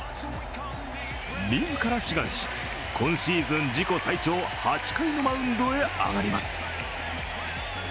自ら志願し、今シーズン自己最長８回のマウンドへ上がります。